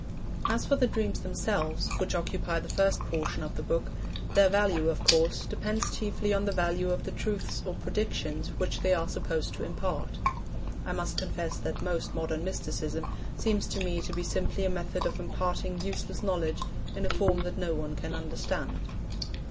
As for the dreams themselves, which occupy the first portion of the book, their value, of course, depends chiefly on the value of the truths or predictions which they are supposed to impart. I must confess that most modern mysticism seems to me to be simply a method of imparting useless knowledge in a form that no one can understand.